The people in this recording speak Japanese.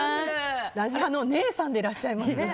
「ラジハ」の姉さんでいらっしゃいますね。